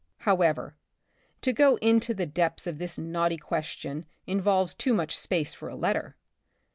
However, to go into the depths of this knotty question involves too much space for a letter.